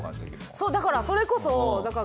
そうだからそれこそ当時うん。